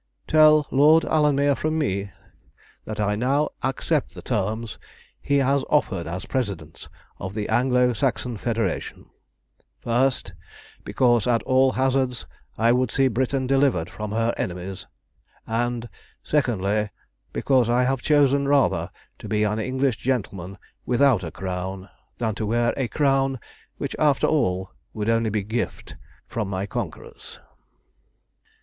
"Tell Lord Alanmere from me that I now accept the terms he has offered as President of the Anglo Saxon Federation, first, because at all hazards I would see Britain delivered from her enemies; and, secondly, because I have chosen rather to be an English gentleman without a crown, than to wear a crown which after all would only be gift from my conquerors."